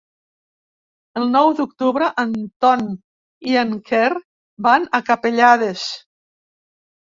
El nou d'octubre en Ton i en Quer van a Capellades.